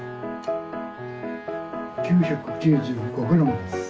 ９９５グラムです。